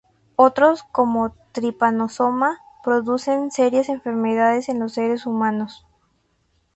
Otros como "Trypanosoma" producen serias enfermedades en los seres humanos.